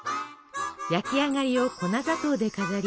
焼き上がりを粉砂糖で飾り